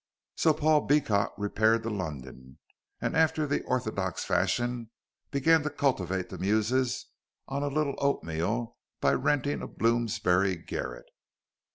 So Paul Beecot repaired to London, and after the orthodox fashion began to cultivate the Muses on a little oatmeal by renting a Bloomsbury garret.